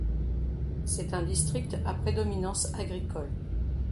C'est un district à prédominance agricole.